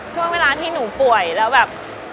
ช่วงเวลาที่หนูป่วยแล้วแบบ